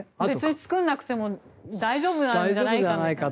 作らなくても大丈夫なんじゃないかと。